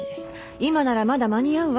今ならまだ間に合うわ。